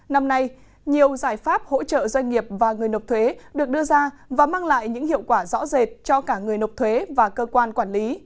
năm nay nhiều giải pháp hỗ trợ doanh nghiệp và người nộp thuế được đưa ra và mang lại những hiệu quả rõ rệt cho cả người nộp thuế và cơ quan quản lý